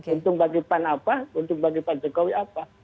untung bagi pan apa untung bagi pak jokowi apa